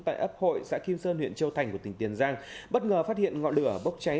tại ấp hội xã kim sơn huyện châu thành của tỉnh tiền giang bất ngờ phát hiện ngọn lửa bốc cháy